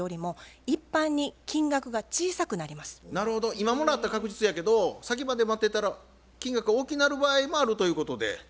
今もらったら確実やけど先まで待ってたら金額が大きなる場合もあるということで。